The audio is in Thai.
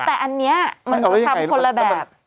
แต่อันนี้มันต้องทำคนละแบบ